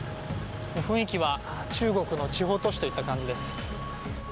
雰囲気は中国の地方都市といった感じです。